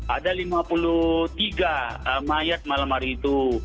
ada lima puluh tiga mayat malam hari itu